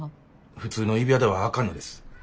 普通の指輪ではあかんのです。